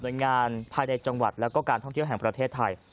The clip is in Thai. อุตทยนต์แห่งชาติ